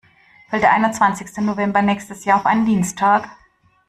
Fällt der einundzwanzigste November nächstes Jahr auf einen Dienstag?